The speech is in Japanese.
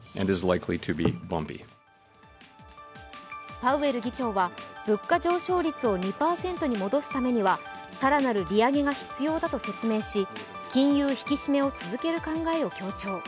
パウエル議長は物価上昇率を２％に戻すためには更なる利上げが必要だと説明し金融引き締めを続ける考えを強調。